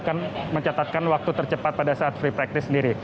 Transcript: akan mencatatkan waktu tercepat pada saat free practice sendiri